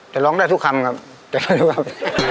จะร้องได้ทุกคำครับ